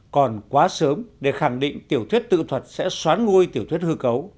còn quá sớm để khẳng định tiểu thuyết tự thuật sẽ xoán ngôi tiểu thuyết hư cấu